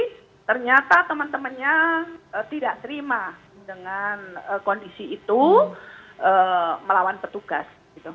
jadi ternyata teman temannya tidak terima dengan kondisi itu melawan petugas